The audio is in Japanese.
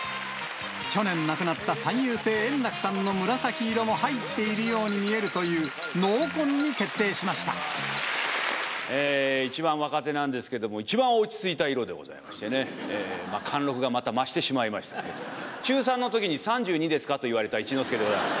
去年、亡くなった三遊亭円楽さんの紫色も入っているように見えるという、一番若手なんですけども、一番落ち着いた色でございましてね、貫禄がまた増してしまいましたけど、中３のときに３２ですか？と言われた一之輔でございます。